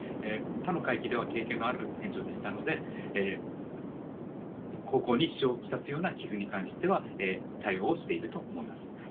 他の海域では経験のある船長でしたので、航行に支障を来すような傷に関しては、対応をしていると思います。